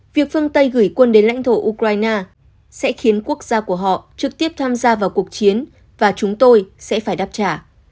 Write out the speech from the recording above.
việc phương tây gửi quân đến lãnh thổ ukraine sẽ khiến quốc gia của họ trực tiếp tham gia vào cuộc chiến và chúng tôi sẽ phải đáp trả